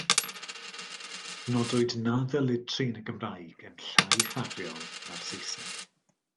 Nodwyd na ddylid trin y Gymraeg yn llai ffafriol na'r Saesneg.